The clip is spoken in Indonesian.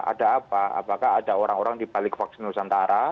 ada apa apakah ada orang orang dibalik vaksin nusantara